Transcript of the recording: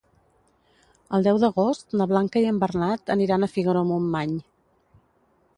El deu d'agost na Blanca i en Bernat aniran a Figaró-Montmany.